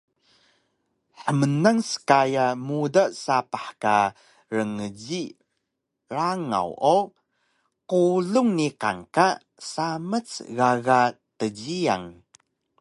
Hmnang skaya muda sapah ka rngji rangaw o qulung niqan ka samac gaga tjiyal